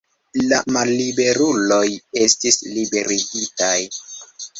La malliberuloj estis liberigitaj.